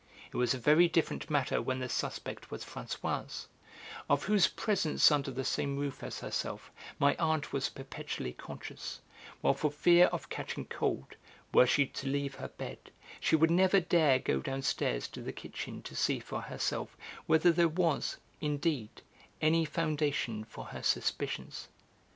It was a very different matter when the suspect was Françoise, of whose presence under the same roof as herself my aunt was perpetually conscious, while for fear of catching cold, were she to leave her bed, she would never dare go downstairs to the kitchen to see for herself whether there was, indeed, any foundation for her suspicions.